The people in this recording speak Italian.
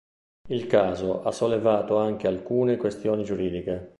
Il caso ha sollevato anche alcune questioni giuridiche.